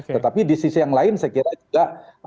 tetapi di sisi yang lain saya kira juga